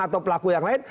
atau pelaku yang lain